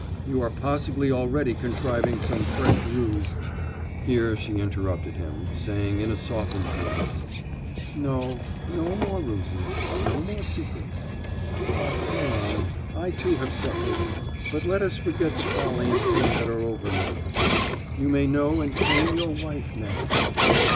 You are possibly already contriving some fresh ruse " Here she interrupted him, saying in a softened voice: "No, no more ruses, no more secrets. Ah, Léon, I too have suffered. But let us forget the folly and pain that are over now. You may know and claim your wife now."